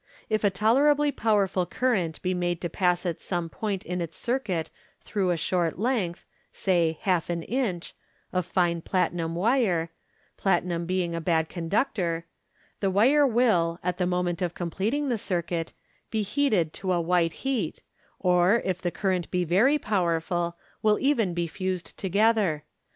If a tolerably powerful current be made to pass at some point in its circuit through a short length (say half an inch) of fine platinum wire, platinum being a bad conductor, the wire will, at the moment of completing the cir cuit, be heated to a white heat, or, if the current be very powerful, will even be fused altogether.